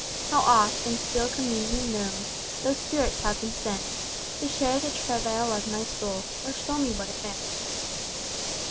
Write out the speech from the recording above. How oft, in still communion known, Those spirits have been sent To share the travail of my soul, Or show me what it meant."